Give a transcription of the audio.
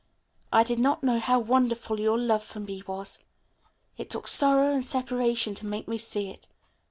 "I did not know how wonderful your love for me was. It took sorrow and separation to make me see it.